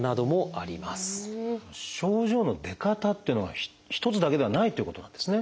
症状の出方っていうのは一つだけではないってことなんですね。